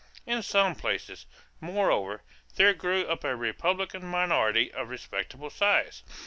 In some places, moreover, there grew up a Republican minority of respectable size.